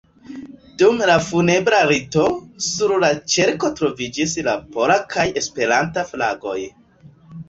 Dum la funebra rito, sur la ĉerko troviĝis la pola kaj Esperanta flagoj.